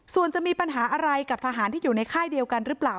ส่วนจะมีปัญหาอะไรกับทหารที่อยู่ในค่ายเดียวกันหรือเปล่า